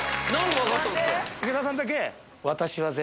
池田さんだけ。